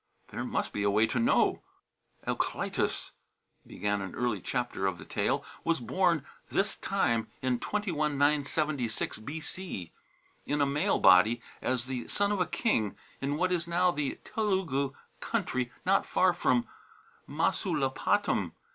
There must be a way to know. "Alclytus," began an early chapter of the tale, "was born this time in 21976 B.C. in a male body as the son of a king, in what is now the Telugu country not far from Masulipatam.